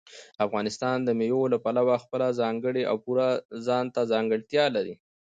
افغانستان د مېوو له پلوه خپله ځانګړې او پوره ځانته ځانګړتیا لري.